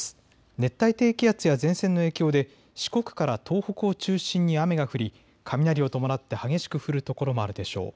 熱帯低気圧や前線の影響で四国から東北を中心に雨が降り雷を伴って激しく降る所もあるでしょう。